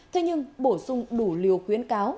thế nhưng bổ sung đủ liều khuyến cáo